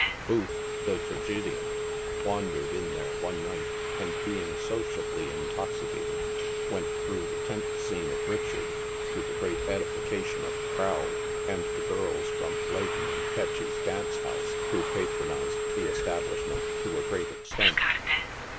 Booth, wt5<m 14 NIGHT SIDE OF NEW YORK. the tragedian, wandered in there one night, and being sociably in toxicated, went through the tent scene of Richard, to the great edi fication of the crowd, and the girls from Laden and Ketchy's dance house, who patronized the establishment to a great extent.